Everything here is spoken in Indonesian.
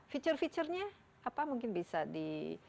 feature feature nya apa mungkin bisa di